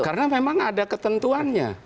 karena memang ada ketentuannya